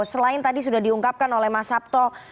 selain tadi sudah diungkapkan oleh mas sabto